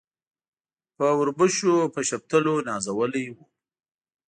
په اوربشو په شفتلو نازولي وو.